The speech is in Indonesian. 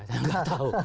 saya tidak tahu